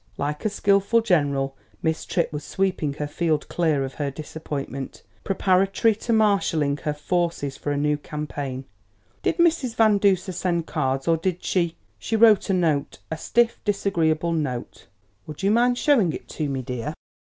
Like a skilful general Miss Tripp was sweeping her field clear of her disappointment, preparatory to marshalling her forces for a new campaign. "Did Mrs. Van Duser send cards, or did she " "She wrote a note a stiff, disagreeable note." "Would you mind showing it to me, dear?"